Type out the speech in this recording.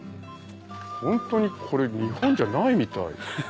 ホントにこれ日本じゃないみたい。